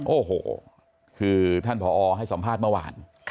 โอ้โหคือท่านผอให้สัมภาษณ์เมื่อวาน